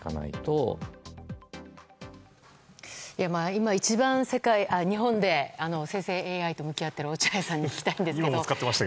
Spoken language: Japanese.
今一番、日本で生成ＡＩと向き合っている落合さんに聞きたいんですけれども。